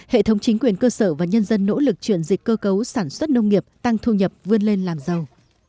hệ thống chính quyền cơ sở và nhân dân nỗ lực chuyển dịch cơ cấu sản xuất nông nghiệp tăng thu nhập vươn lên làm giàu